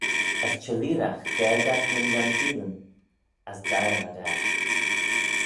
As çhelleeragh daag ad nyn lieenteenyn, as deiyr ad er.